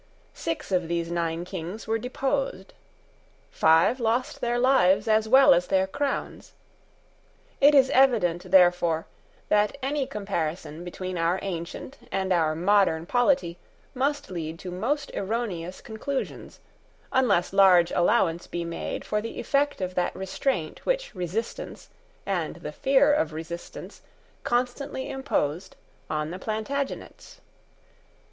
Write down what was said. Six of these nine Kings were deposed. Five lost their lives as well as their crowns. It is evident, therefore, that any comparison between our ancient and our modern polity must lead to most erroneous conclusions, unless large allowance be made for the effect of that restraint which resistance and the fear of resistance constantly imposed on the Plantagenets.